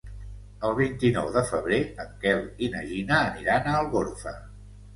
El vint-i-nou de febrer en Quel i na Gina aniran a Algorfa.